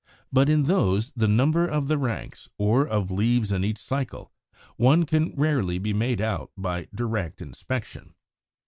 But in those the number of the ranks, or of leaves in each cycle, can only rarely be made out by direct inspection.